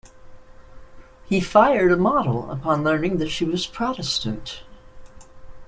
He fired a model upon learning she was Protestant.